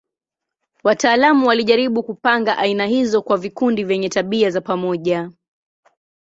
Wataalamu walijaribu kupanga aina hizo kwa vikundi vyenye tabia za pamoja.